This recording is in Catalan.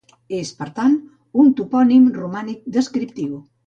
És, per tant, un topònim romànic descriptiu.